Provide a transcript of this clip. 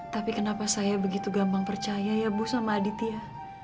tapi kenapa saya begitu gampang percaya ya bu sama aditya